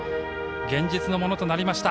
現実のものとなりました。